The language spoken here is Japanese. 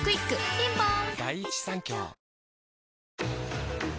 ピンポーン